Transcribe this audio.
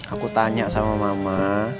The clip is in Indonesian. aku tanya sama mama